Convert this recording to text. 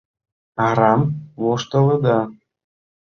— Арам воштылыда!